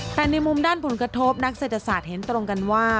แต่ในมุมด้านผลกระทบนักเศรษฐศาสตร์เห็นตรงกันว่า